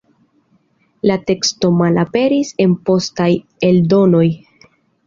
La teksto malaperis en postaj eldonoj.